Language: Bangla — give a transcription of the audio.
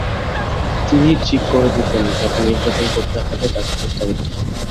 তিনিই ঠিক করে দিতেন, কাকে নির্যাতন করতে হবে, কাকে হত্যা করতে হবে।